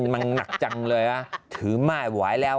มันนักจังเลยถือไหม้ไว้แล้ว